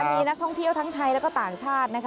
มีนักท่องเที่ยวทั้งไทยแล้วก็ต่างชาตินะคะ